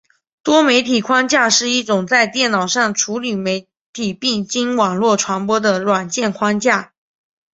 多媒体框架是一种在电脑上处理媒体并经网络传播的软件框架。